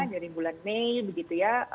dari bulan mei begitu ya